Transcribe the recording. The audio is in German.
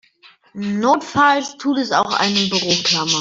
Notfalls tut es auch eine Büroklammer.